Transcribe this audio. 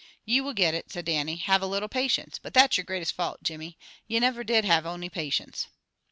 "Ye will get it," said Dannie. "Have a little patience. But that's your greatest fault, Jimmy. Ye never did have ony patience."